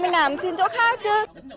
hay làm trên chỗ khác chứ